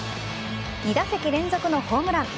２打席連続のホームラン。